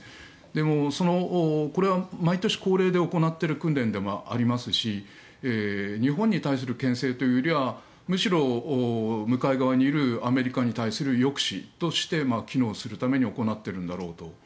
でも、これは毎年恒例で行っている訓練でもありますし日本に対するけん制というよりはむしろ向かい側にいるアメリカに対する抑止として機能するために行っているんだろうと。